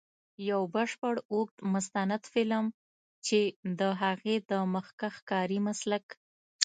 یو بشپړ اوږد مستند فلم، چې د هغې د مخکښ کاري مسلک.